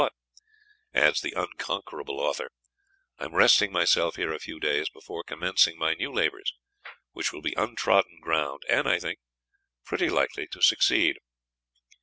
"But," adds the unconquerable author, "I am resting myself here a few days before commencing my new labours, which will be untrodden ground, and, I think, pretty likely to succeed."